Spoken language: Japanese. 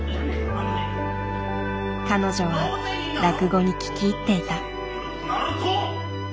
彼女は落語に聞き入っていた。